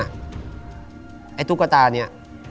ไอ้ตุ๊กตานี้